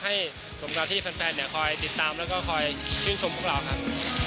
ให้กับที่แฟนคอยติดตามแล้วก็คอยชื่นชมพวกเราครับ